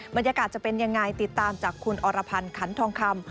บรรยากาศจะเป็นยังไงติดตามจากคุณอรพันธ์ขันทองคำ